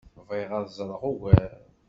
Bɣiɣ ad ẓreɣ ugar.